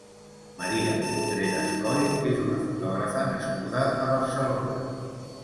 Maria Contreras Coll és una fotògrafa nascuda a Barcelona.